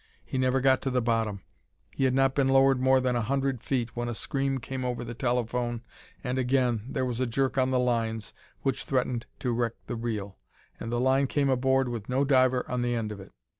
He never got to the bottom. He had not been lowered more than a hundred feet when a scream came over the telephone, and again there was a jerk on the lines which threatened to wreck the reel and the line came aboard with no diver on the end of it.